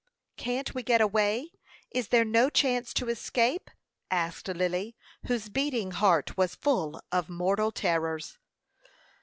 "Can't we get away? Is there no chance to escape?" asked Lily, whose beating heart was full of mortal terrors.